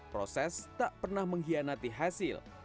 proses tak pernah mengkhianati hasil